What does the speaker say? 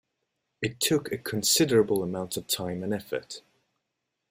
It took a considerable amount of time and effort.